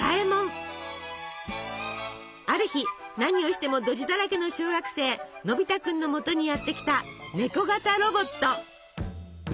ある日何をしてもドジだらけの小学生のび太君のもとにやって来たネコ型ロボット。